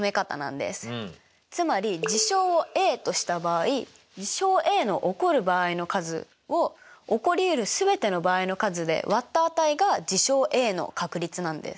つまり事象をＡとした場合事象Ａの起こる場合の数を起こりうるすべての場合の数で割った値が事象Ａの確率なんです。